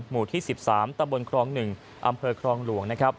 หมู่ที่๑๓ตะบลครอง๑อำเภอครองหลวง